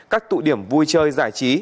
các tụ điểm vui chơi giải trí